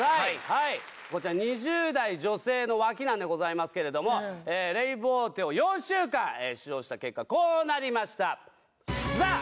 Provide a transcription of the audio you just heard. はいこちら２０代女性の脇なんでございますけれどもええレイボーテを４週間使用した結果こうなりましたザッ